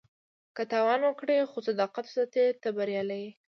که تاوان وکړې خو صداقت وساتې، ته بریالی یې.